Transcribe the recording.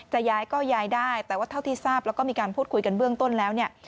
ย้ายก็ย้ายได้แต่ว่าเท่าที่ทราบแล้วก็มีการพูดคุยกันเบื้องต้นแล้วเนี่ย